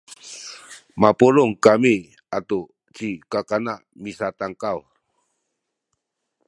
mapulung kami atu ci kakana misatankaw